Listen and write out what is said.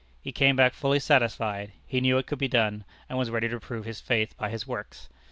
He came back fully satisfied; he knew it could be done, and was ready to prove his faith by his works.